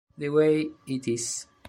The Way It Is